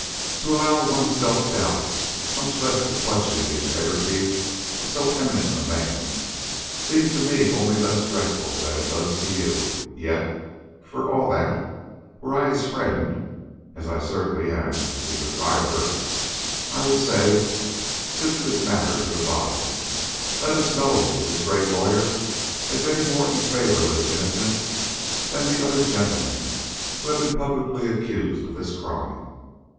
To allow one's self to doubt, much less to question, the integrity of so eminent a man, seems to me only less dreadful than it does to you; yet, for all that, were I his friend, as I certainly am his admirer, I would say: 'Sift this matter to the bottom; let us know if this great lawyer has any more in favor of his innocence than the other gentlemen who have been publicly accused of this crime.'"